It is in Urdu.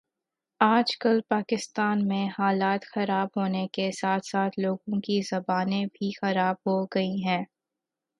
آج کل پاکستان میں حالات خراب ہونے کے ساتھ ساتھ لوگوں کی زبانیں بھی خراب ہو گئی ہیں